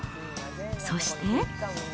そして。